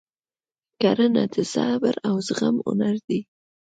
کرنه د صبر او زغم هنر دی.